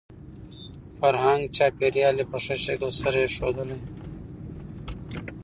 فرهنګ ،چاپېريال يې په ښه شکل سره يې ښودلى .